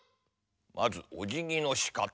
まずおじぎのしかた。